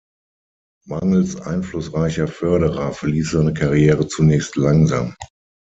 Mangels einflussreicher Förderer verlief seine Karriere zunächst langsam.